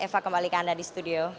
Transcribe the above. eva kembali ke anda di studio